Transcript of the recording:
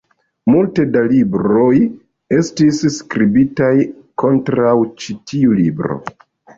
Multe da libroj estis skribitaj kontraŭ ĉi tiu libro.